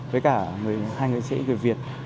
với cả hai nghệ sĩ người việt